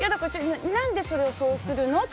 何で、それをそうするの？